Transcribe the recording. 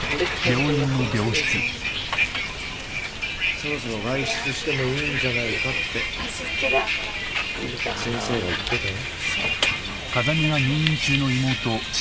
そろそろ外出してもいいんじゃないかって先生が言ってたよ。